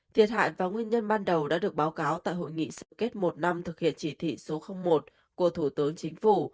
thiệt hại và nguyên nhân ban đầu đã được báo cáo tại hội nghị sơ kết một năm thực hiện chỉ thị số một của thủ tướng chính phủ